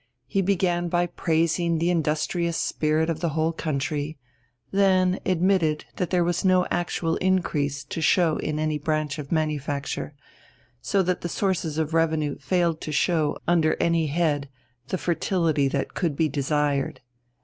He began by praising the industrious spirit of the whole country; then admitted that there was no actual increase to show in any branch of manufacture, so that the sources of revenue failed to show under any head the fertility that could be desired.